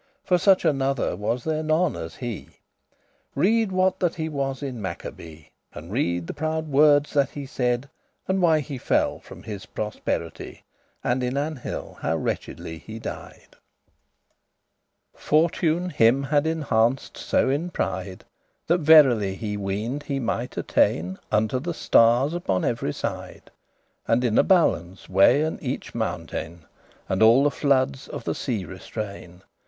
For such another was there none as he; Reade what that he was in Maccabee. And read the proude wordes that he said, And why he fell from his prosperity, And in an hill how wretchedly he died. Fortune him had enhanced so in pride, That verily he ween'd he might attain Unto the starres upon every side, And in a balance weighen each mountain, And all the floodes of the sea restrain.